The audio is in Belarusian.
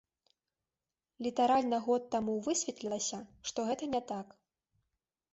Літаральна год таму высветлілася, што гэта не так.